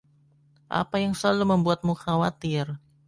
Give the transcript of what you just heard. Apa yang selalu membuatmu khawatir?